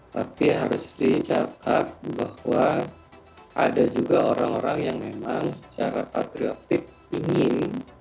tapi harus dicatat bahwa ada juga orang orang yang memang secara patriotik ingin